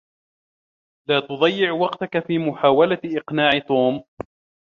لا تضيّع وقتك في محاولة اقناع توم.